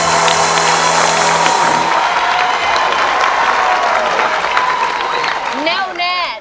ทั้งในเรื่องของการทำงานเคยทำนานแล้วเกิดปัญหาน้อย